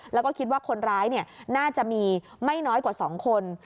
แล้วก็คิดว่าคนร้ายน่าจะมีไม่น้อยกว่า๒คน